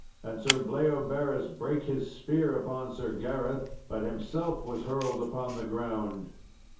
And Sir Bleoberis brake his spear upon Sir Gareth, but himself was hurled upon the ground.